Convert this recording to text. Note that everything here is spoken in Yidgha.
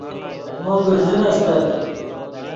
مو برزن استت